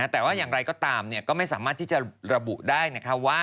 แต่ว่าอย่างไรก็ตามก็ไม่สามารถที่จะระบุได้นะคะว่า